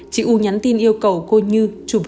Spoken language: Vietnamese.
chị u nhắn tin yêu cầu cô như chụp hình